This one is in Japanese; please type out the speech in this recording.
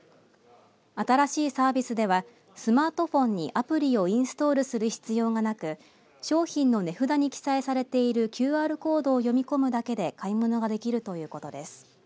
新しいサービスではスマートフォンにアプリをインストールする必要がなく商品の値札に記載されているＱＲコードを読み込むだけで買い物ができるということです。